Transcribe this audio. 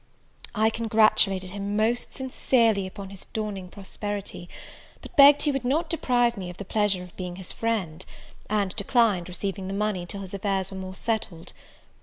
I congratulated him most sincerely upon his dawning prosperity, but begged he would not deprive me of the pleasure of being his friend; and declined receiving the money, till his affairs were more settled.